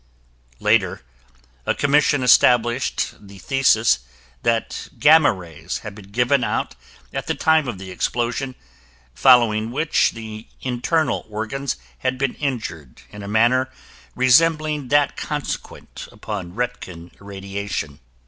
Later, a commission established the thesis that gamma rays had been given out at the time of the explosion, following which the internal organs had been injured in a manner resembling that consequent upon Roentgen irradiation.